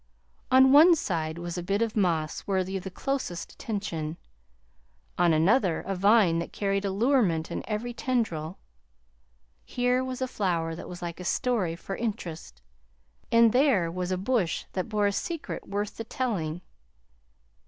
On one side was a bit of moss worthy of the closest attention; on another, a vine that carried allurement in every tendril. Here was a flower that was like a story for interest, and there was a bush that bore a secret worth the telling.